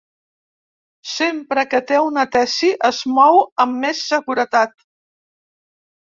Sempre que té una tesi es mou amb més seguretat.